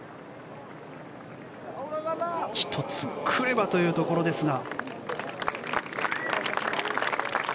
１つ、来ればというところですが。